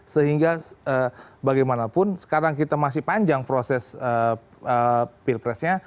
sehingga bagaimanapun sekarang kita masih panjang proses pilpres nya